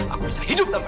aku bisa hidup tanpa nenek